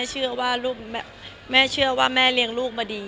เออแม่เชื่อว่าแม่เลี้ยงลูกมาดี